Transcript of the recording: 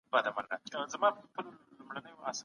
د ځان باورۍ تمرین وکړئ.